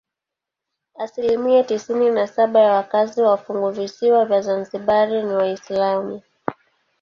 Asilimia tisini na saba ya wakazi wa funguvisiwa vya Zanzibar ni Waislamu.